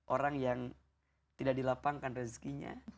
orang yang tidak dilapangkan rezekinya